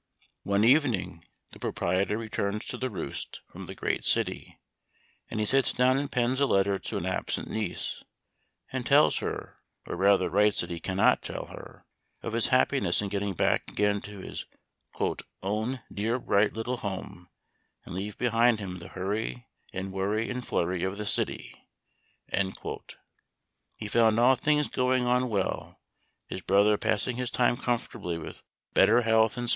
One evening the proprietor returns to the " Roost" from the great city, and he sits down and pens a letter to an absent niece, and tells her, or rather writes that he cannot tell her, of his happiness in getting back again to his " own dear bright little home, and leave behind him the hurry and worry and flurry of the city." He found all things going on well, his brother pass ing his time comfortably with better health and 248 Memoir of Washington Irving.